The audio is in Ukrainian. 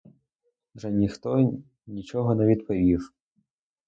Вже ніхто нічого не відповів.